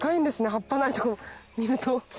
葉っぱないとこ見ると。